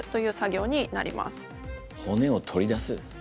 骨を取り出す？